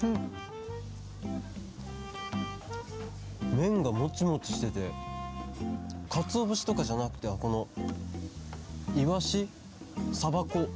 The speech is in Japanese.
めんがもちもちしててかつおぶしとかじゃなくてこのいわしさばこ。